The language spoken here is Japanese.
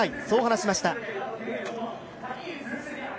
そう話しました。